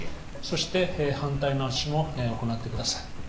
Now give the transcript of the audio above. そして反対の足も行ってください。